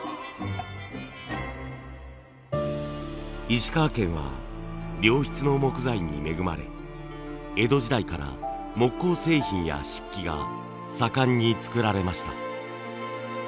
石川県は良質の木材に恵まれ江戸時代から木工製品や漆器が盛んに作られました。